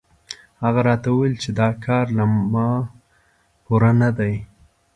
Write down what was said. هغه راته وویل چې دا کار له ما پوره نه دی.